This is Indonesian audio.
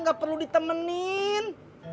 gak perlu ditemenin